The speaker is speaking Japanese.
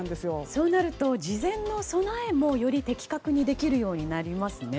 そうなると、事前の備えもより的確にできるようになりますね。